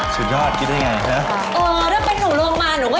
สุดยอดคิดได้อย่างไรนะ